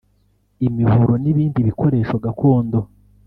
imihoro n’ibindi bikoresho gakondo